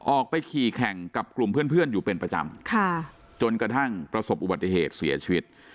ออกไปขี่แข่งกับกลุ่มเพื่อนอยู่เป็นประจำจนกระทั่งประสบอุบัติเหตุเสียชีวิต